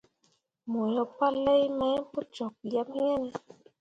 Mo yo palai mai pu cok yeb iŋ ne.